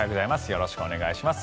よろしくお願いします。